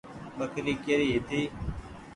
ٻڪري ڪيري هيتي۔